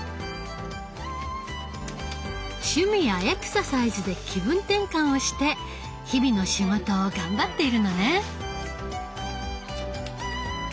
趣味やエクササイズで気分転換をして日々の仕事を頑張っているのね。